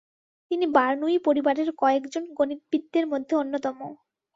তিনি বার্নুয়ি পরিবারের কয়েকজন গণিতবিদদের মধ্যে অন্যতম।